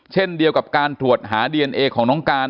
เช่นเดียวกับการตรวจหาดีเอนเอของน้องการ